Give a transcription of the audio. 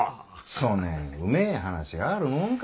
そねんうめえ話があるもんか。